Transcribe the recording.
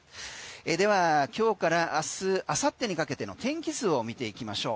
では今日から明日、明後日にかけての天気図を見ていきましょう。